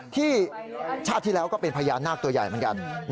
ที่ชาติที่แล้วก็เป็นพญานาคตัวใหญ่เหมือนกัน